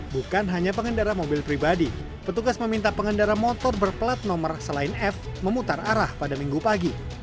bukan hanya pengendara mobil pribadi petugas meminta pengendara motor berplat nomor selain f memutar arah pada minggu pagi